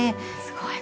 すごい。